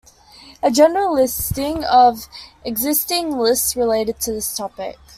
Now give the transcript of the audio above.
A general listing of existing lists related to this topic.